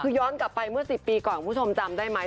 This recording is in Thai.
คือย้อนกลับไปเมื่อ๑๐ปีก่อนคุณผู้ชมจำได้ไหม